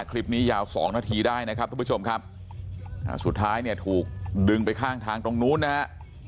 คลิปนี้ยาวสองนาทีได้นะครับทุกผู้ชมครับสุดท้ายเนี่ยถูกดึงไปข้างทางตรงนู้นนะฮะ